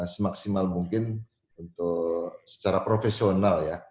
semaksimal mungkin untuk secara profesional ya